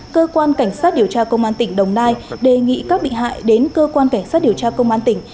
cơ quan cảnh sát điều tra công an tỉnh đồng nai đề nghị các bị hại đến cơ quan cảnh sát điều tra công an tỉnh